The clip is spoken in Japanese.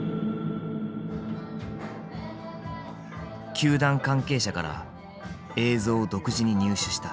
球団関係者から映像を独自に入手した。